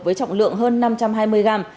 với trọng lượng hơn năm trăm hai mươi g